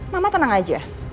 mama tenang aja